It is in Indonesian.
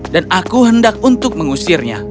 dan aku hendak untuk mengusirnya